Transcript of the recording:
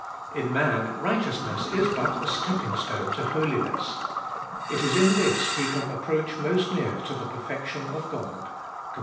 In man, righteousness is but a step ping stone to holiness. It is in this he can approach most near to the perfection of God (comp.